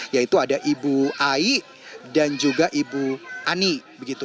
yaitu ada ibu ai dan juga ibu ani